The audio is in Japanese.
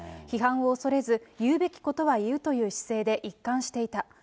批判を恐れず、言うべきことは言うという姿勢で一貫していた。